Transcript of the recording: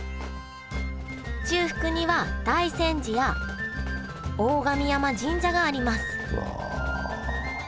中腹には大山寺や大神山神社がありますうわ！